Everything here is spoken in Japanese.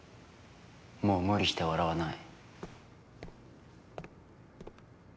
もう無理して笑わない。